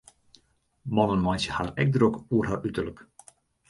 Mannen meitsje har ek drok oer har uterlik.